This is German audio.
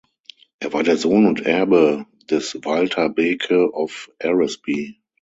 Er war der Sohn und Erbe des Walter Beke of Eresby.